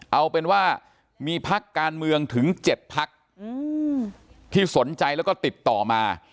เอาเป็นว่ามีพักการเมืองถึง๗พักที่สนใจแล้วก็ติดต่อมา